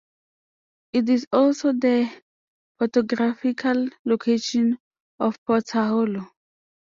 It is also the topographical location of Potter Hollow.